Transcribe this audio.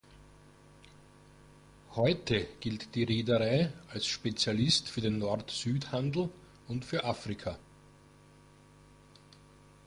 Heute gilt die Reederei als Spezialist für den Nord-Süd-Handel und für Afrika.